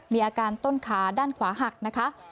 มีอาการต้นขาด้านขวาหักนะคะ